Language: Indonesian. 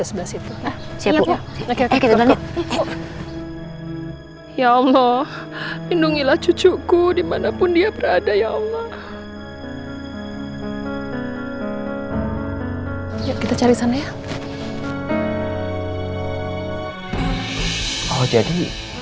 sebelah situ ya allahindungilah cucuku dimanapun dia berada ya allah kita cari sana ya oh jadi